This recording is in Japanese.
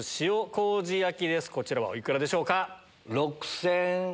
こちらはお幾らでしょうか？